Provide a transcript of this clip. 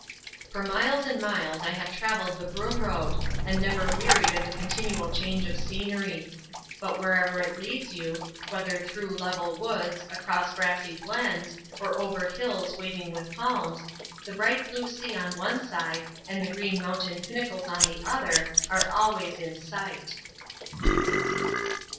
For miles and miles I have travelled the Broom Road, and never wearied of the continual change of scenery. But where ever it leads you — whether through level woods, across grassy glens, or over hills waving with palms — the bright blue sea on one side, and the green mountain pinnacles on the other, are always in sight.